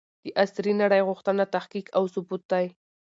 د عصري نړۍ غوښتنه تحقيق او ثبوت دی.